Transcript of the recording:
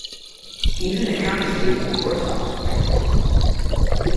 Even the county seat, Warsaw is quite small.